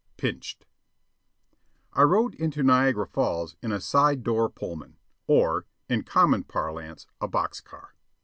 "PINCHED" I rode into Niagara Falls in a "side door Pullman," or, in common parlance, a box car.